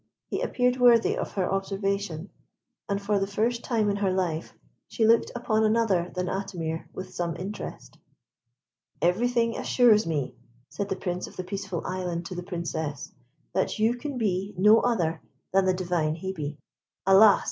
He appeared worthy of her observation, and for the first time in her life she looked upon another than Atimir with some interest. "Everything assures me," said the Prince of the Peaceful Island to the Princess, "that you can be no other than the divine Hebe. Alas!